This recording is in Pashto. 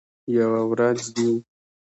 یوه ورځ دي